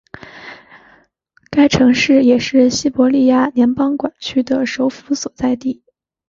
该城市也是西伯利亚联邦管区的首府所在地。